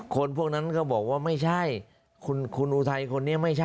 คนพวกนั้นก็บอกว่าไม่ใช่คุณอุทัยคนนี้ไม่ใช่